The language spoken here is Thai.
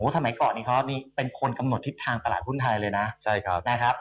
สมัยก่อนเป็นคนกำหนดทิศทางตลาดทุ่นไทยเลยนะ